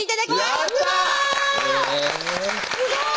すごい！